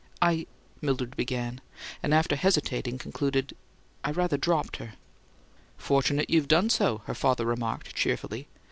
"I " Mildred began; and, after hesitating, concluded, "I rather dropped her." "Fortunate you've done so," her father remarked, cheerfully.